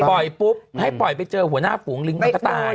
ปุ๊บให้ปล่อยไปเจอหัวหน้าฝูงลิงมันก็ตาย